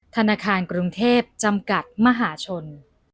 ธนาคารกรุงเทพจำกัดมหาชน